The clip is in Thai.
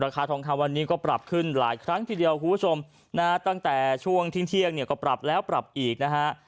คาทองคำวันนี้ก็ปรับขึ้นหลายครั้งทีเดียวคุณผู้ชมนะฮะตั้งแต่ช่วงเที่ยงเนี่ยก็ปรับแล้วปรับอีกนะฮะ